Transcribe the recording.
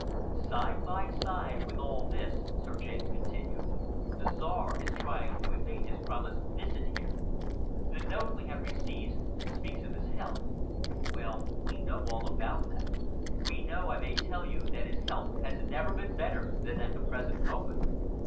Side by side with all this," Sir James continued, "the Czar is trying to evade his promised visit here. The note we have received speaks of his health. Well, we know all about that. We know, I may tell you, that his health has never been better than at the present moment."